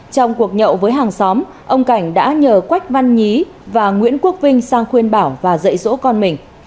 trong cuộc nhậu với hàng xóm ông cảnh đã nhờ quách văn nhí và nguyễn quốc vinh sang khuyên bảo và dạy dỗ con mình